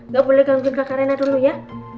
gak boleh gabungin kakak rena dulu ya